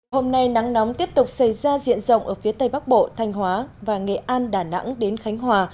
hôm nay nắng nóng tiếp tục xảy ra diện rộng ở phía tây bắc bộ thanh hóa và nghệ an đà nẵng đến khánh hòa